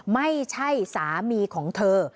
ไม่ใช่สามีของเธอ